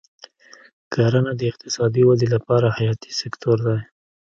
کرنه د اقتصادي ودې لپاره حیاتي سکتور دی.